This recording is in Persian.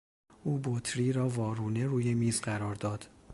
او بطری را وارونه روی میز قرار داد